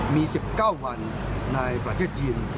มี๑๙วันในประเทศจีน